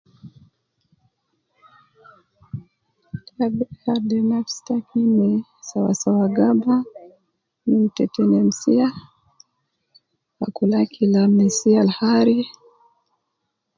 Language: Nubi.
Te gi gadi nafsi taki me sawa sawa gaba, num tete nemsiya, akul akil al nesiya al hari